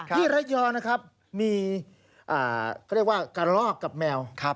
ที่ระยองนะครับมีกระลอกกับแมว